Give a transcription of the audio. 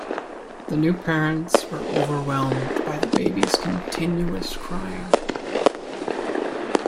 The new parents were overwhelmed by the babies continuous crying.